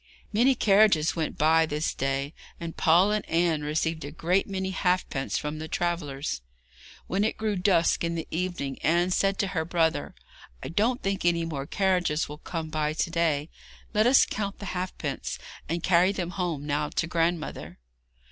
Many carriages went by this day, and Paul and Anne received a great many halfpence from the travellers. When it grew dusk in the evening Anne said to her brother: 'I don't think any more carriages will come by to day. Let us count the halfpence, and carry them home now to grandmother.'